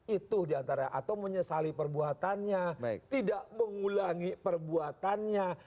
itu diantara atau menyesali perbuatannya tidak mengulangi perbuatannya